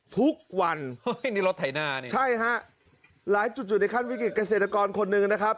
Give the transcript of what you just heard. ทุกวันเฮ้ยนี่รถไถนาเนี่ยใช่ฮะหลายจุดอยู่ในขั้นวิกฤตเกษตรกรคนหนึ่งนะครับ